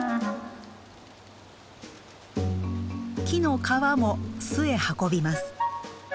木の皮も巣へ運びます。